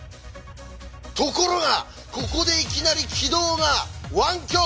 ところがここでいきなり軌道が湾曲！